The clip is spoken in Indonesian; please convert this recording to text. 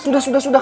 sudah sudah sudah